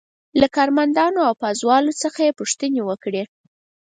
له کارمندانو او پازوالو څخه یې پوښتنې وکړې.